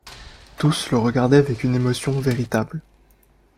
Tous le regardaient avec une émotion véritable.